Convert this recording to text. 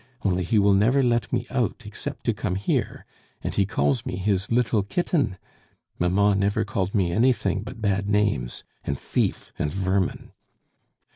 Only he will never let me out except to come here and he calls me his little kitten! Mamma never called me anything but bad names and thief, and vermin!"